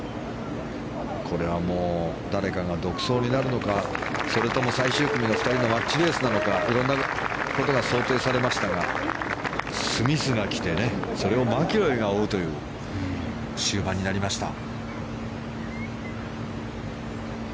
これはもう誰かが独走になるのかそれとも最終組の２人のマッチレースなのか色んなことが想定されましたがスミスが来てそれをマキロイが追うという終盤になりました。